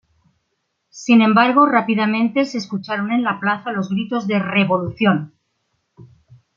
Sin embargo, rápidamente se escucharon en la plaza los gritos de "¡Revolución!